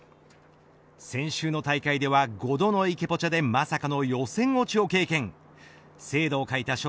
先週の大会では５度の池ポチャでまさかの予選落ちを経験。